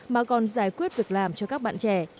mà còn giải quyết việc làm cho các bạn trẻ